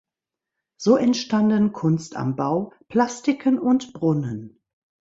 So entstanden Kunst am Bau, Plastiken und Brunnen.